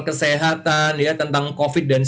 kesehatan ya tentang covid dan